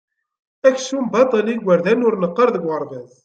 Akeččum baṭel i igerdan ur neqqar deg uɣerbaz.